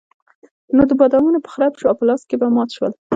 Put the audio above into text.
نو د بادامو به خرپ شو او په لاس کې به مات شول.